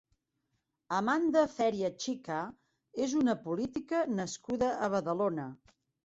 Amanda Feria Chica és una política nascuda a Badalona.